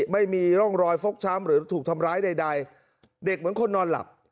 ไม่มีร่องรอยฟกช้ำหรือถูกทำร้ายใดเด็กเหมือนคนนอนหลับ